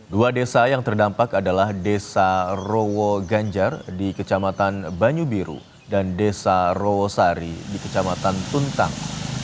dua desa yang terdampak adalah desa rowo ganjar di kecamatan banyu biru dan desa rowosari di kecamatan tuntang